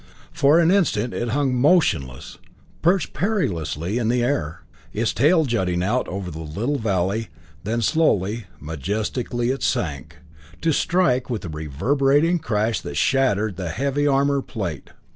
For an instant it hung motionless, perched perilously in the air, its tail jutting out over the little valley, then slowly, majestically it sank, to strike with a reverberating crash that shattered the heavy armor plate!